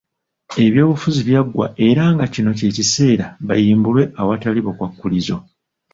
Ebyobufuzi byaggwa era nga kino kye kiseera bayimbulwe awatali bukwakkulizo .